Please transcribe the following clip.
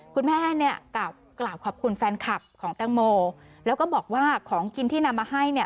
คุณแม่เนี่ยกล่าวขอบคุณแฟนคลับของแตงโมแล้วก็บอกว่าของกินที่นำมาให้เนี่ย